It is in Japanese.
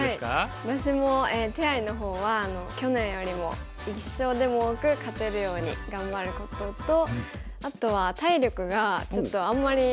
私も手合の方は去年よりも１勝でも多く勝てるように頑張ることとあとは体力がちょっとあんまりないので。